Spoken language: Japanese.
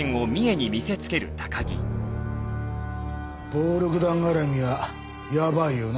暴力団絡みはやばいよな？